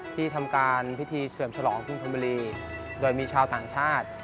ที่ทำการพิถีเสริมฉลองทุนโดยมีชาวต่างชาติ